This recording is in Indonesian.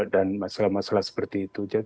dan masalah masalah seperti itu